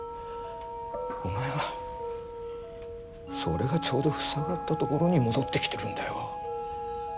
お前はそれがちょうど塞がったところに戻ってきてるんだよ。